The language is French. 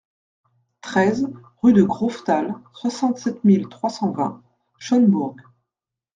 treize rue de Graufthal, soixante-sept mille trois cent vingt Schœnbourg